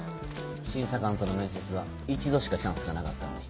審査官との面接は一度しかチャンスがなかったのに。